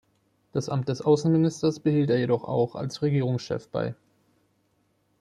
Das Amt des Außenministers behielt er jedoch auch als Regierungschef bei.